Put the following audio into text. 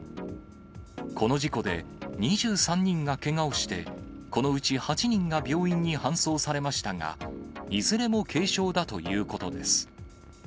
この事故で、２３人がけがをして、このうち８人が病院に搬送されましたが、いずれも軽傷だということです。